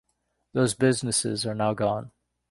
Those businesses are now gone.